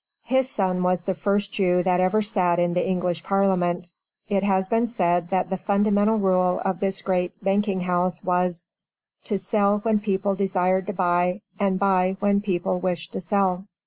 His son was the first Jew that ever sat in the English Parliament. It has been said that the fundamental rule of this great banking house was "To sell when people desired to buy, and buy when people wished to sell."